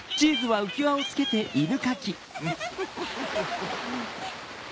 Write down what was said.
フフフ！